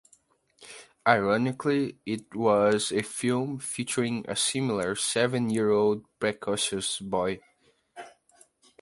Ironically it was a film featuring a similar seven-year-old precocious boy.